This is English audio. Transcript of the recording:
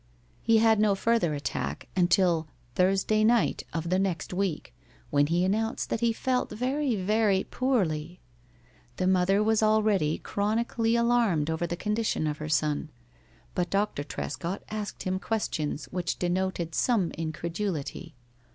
He had no further attack until Thursday night of the next week, when he announced that he felt very, very poorly. The mother was already chronically alarmed over the condition of her son, but Dr. Trescott asked him questions which denoted some incredulity.